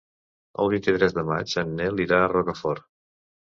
El vint-i-tres de maig en Nel irà a Rocafort.